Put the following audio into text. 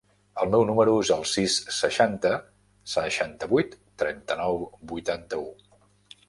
El meu número es el sis, seixanta, seixanta-vuit, trenta-nou, vuitanta-u.